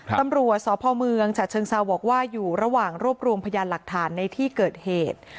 ตำรวจสพเมืองฉะเชิงเซาบอกว่าอยู่ระหว่างรวบรวมพยานหลักฐานในที่เกิดเหตุ